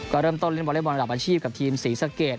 ก็เริ่มต้นเล่นวอเล็กบอลระดับอาชีพกับทีมศรีสะเกด